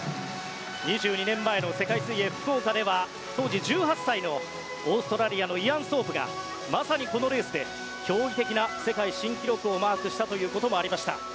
２２年前の世界水泳福岡では当時１８歳のオーストラリアのイアン・ソープがまさにこのレースで驚異的な世界新記録をマークしたこともありました。